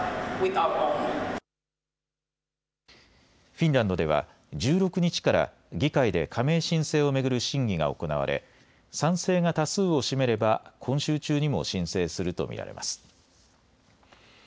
フィンランドでは１６日から議会で加盟申請を巡る審議が行われ賛成が多数を占めれば今週中にも申請すると見られます。